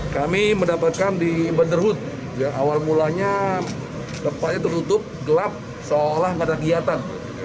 kami mendapatkan di butherhood awal mulanya tempatnya tertutup gelap seolah tidak ada kegiatan